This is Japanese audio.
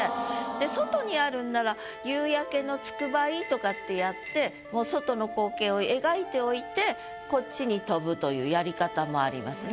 で外にあるんなら「夕焼のつくばい」とかってやってもう外の光景を描いておいてこっちに飛ぶというやり方もありますね。